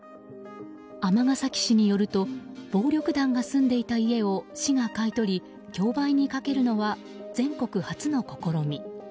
尼崎市によると暴力団が住んでいた家を市が買い取り、競売にかけるのは全国初の試み。